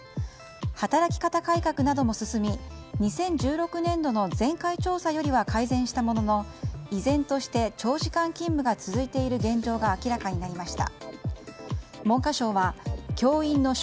働き方改革なども進み２０１６年度の前回調査よりは改善したものの依然として長時間勤務が続いている現状が明らかになりました。